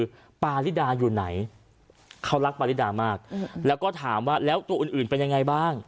คือปาริดาอยู่ไหนเขารักปาริดามากแล้วก็ถามว่าแล้วตัวอื่นอื่นเป็นยังไงบ้าง